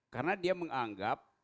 karena dia menganggap